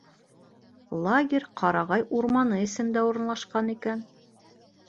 Лагерь ҡарағай урманы эсендә урынлашҡан икән.